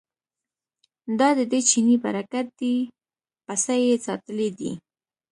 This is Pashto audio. دا ددې چیني برکت دی پسه یې ساتلی دی.